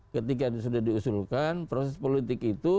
ketika sudah diusulkan proses politik itu